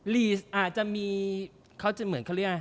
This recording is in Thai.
ลีสอาจจะมี